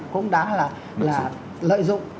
cũng đã là lợi dụng